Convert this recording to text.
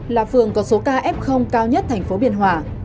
là phường có số ca f cao nhất thành phố biên hòa